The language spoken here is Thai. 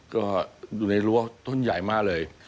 ก็อยู่ในรั้วต้นใหญ่มากเลย